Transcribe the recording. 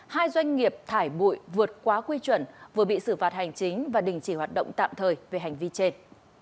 hai doanh nghiệp thải bụi vượt quá quy chuẩn vừa bị xử phạt hành chính và đình chỉ hoạt động tạm thời về hành vi trên